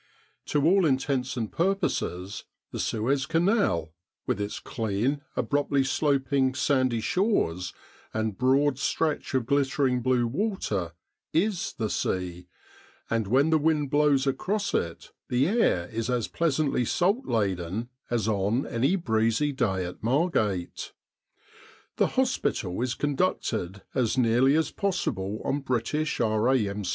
To all intents and purposes, the Suez Canal with its clean, abruptly sloping, sandy shores, and broad stretch of glittering blue water is the sea, and when the wind blows across it the air is as pleasantly salt laden as on any breezy day at Margate. The hospital is conducted as nearly as possible on British R.A.M.